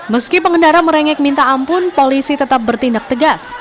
meski pengendara merengek minta ampun polisi tetap bertindak tegas